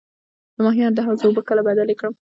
د ماهیانو د حوض اوبه کله بدلې کړم؟